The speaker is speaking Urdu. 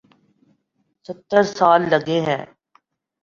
ستر سال لگے ہیں۔